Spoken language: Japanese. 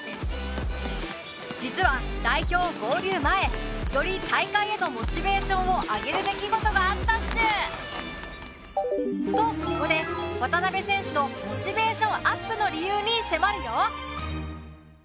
実は代表合流前より大会へのモチベーションを上げる出来事があったっシュ。とここで渡邊選手のモチベーションアップの理由に迫るよ！